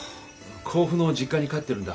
甲府の実家に帰ってるんだ。